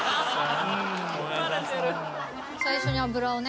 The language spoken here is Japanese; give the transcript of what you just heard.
最初に油をね。